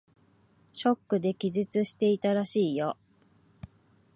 ショックで気絶していたらしいよ。